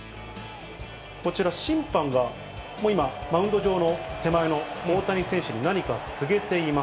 こちら審判が、もう今、マウンド上の手前の大谷選手に何か告げています。